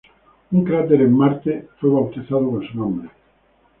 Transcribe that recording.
Un cráter en Marte fue bautizado con su nombre.